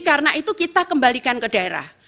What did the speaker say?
karena itu kita kembalikan ke daerah